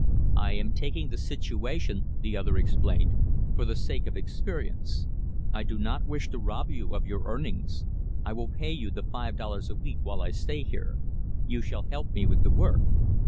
"I am taking the situation," the other explained, "for the sake of experience. I do not wish to rob you of your earnings. I will pay you the five dollars a week while I stay here. You shall help me with the work."